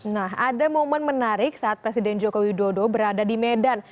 nah ada momen menarik saat presiden joko widodo berada di medan